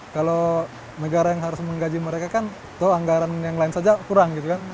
kalau negara yang harus menggaji mereka kan itu anggaran yang lain saja kurang gitu kan